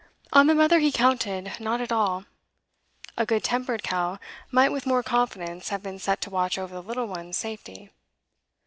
On the mother he counted not at all; a good tempered cow might with more confidence have been set to watch over the little one's safety.